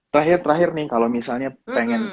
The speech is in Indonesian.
terakhir nih kalo misalnya pengen